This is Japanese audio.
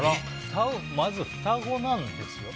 まず双子なんですね。